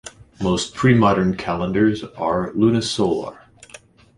Most pre-modern calendars are lunisolar.